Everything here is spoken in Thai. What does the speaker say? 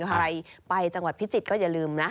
ใครไปจังหวัดพิจิตรก็อย่าลืมนะ